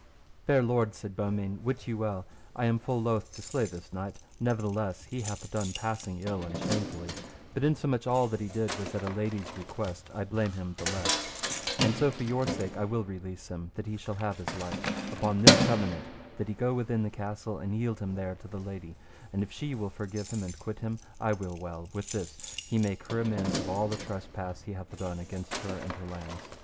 Fair lords, said Beaumains, wit you well I am full loath to slay this knight, nevertheless he hath done passing ill and shamefully; but insomuch all that he did was at a lady's request I blame him the less; and so for your sake I will release him that he shall have his life upon this covenant, that he go within the castle, and yield him there to the lady, and if she will forgive and quit him, I will well; with this he make her amends of all the trespass he hath done against her and her lands.